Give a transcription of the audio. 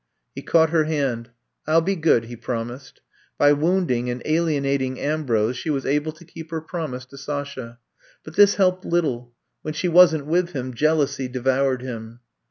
'* He caught her hand. I 'llbe good," he promised. By wounding and alienating Ambrose she was able to keep her promise to Sasha. But this helped little. When she wasn't with him, jealousy devoured him.